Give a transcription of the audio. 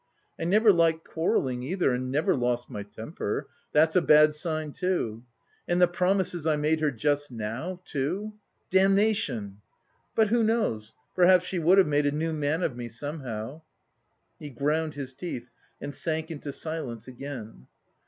I never liked quarrelling either, and never lost my temper that's a bad sign too. And the promises I made her just now, too Damnation! But who knows? perhaps she would have made a new man of me somehow...." He ground his teeth and sank into silence again.